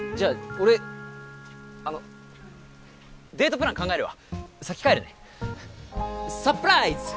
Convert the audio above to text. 俺あのデートプラン考えるわ先帰るねサプライズ！